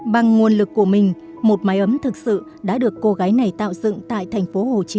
bằng nguồn lực của mình một máy ấm thực sự đã được cô gái này tạo dựng tại thành phố hồ chí minh